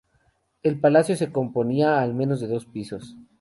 El palacio se componía al menos de dos pisos.